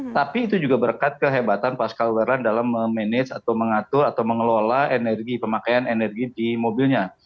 tapi itu juga berkat kehebatan pascal weran dalam memanage atau mengatur atau mengelola energi pemakaian energi di mobilnya